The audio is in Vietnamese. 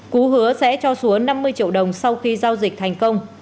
cú hứa sẽ cho xúa năm mươi triệu đồng sau khi giao dịch thành công